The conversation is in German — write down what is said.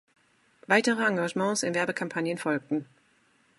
Weitere Engagements in Werbekampagnen folgten.